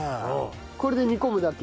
これで煮込むだけ？